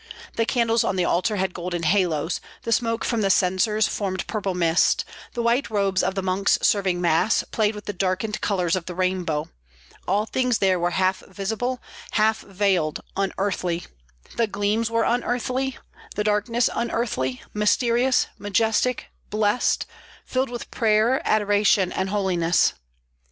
The candles on the altar had golden halos; the smoke from the censers formed purple mist; the white robes of the monks serving Mass played with the darkened colors of the rainbow. All things there were half visible, half veiled, unearthly; the gleams were unearthly, the darkness unearthly, mysterious, majestic, blessed, filled with prayer, adoration, and holiness.